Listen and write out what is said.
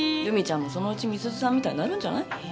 ルミちゃんもそのうち美鈴さんみたいになるんじゃない？